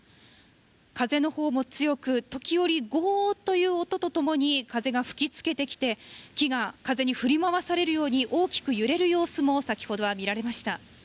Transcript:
風のほうも強く、時折、ごーっという音とともに風が吹きつけてきて、木が風に振り回されるように、大きく揺れる様子も先ほどは見られました。